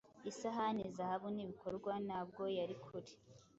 Isahani-zahabu nibikorwa ntabwo yari kure